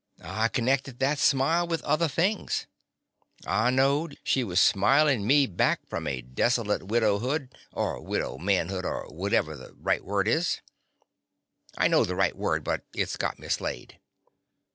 I connected that smile with other things. I knowed she was smiling me back from a desolate widow hood, or widow man hood, or whatever the right word is. I know the right word, but it 's got mislaid.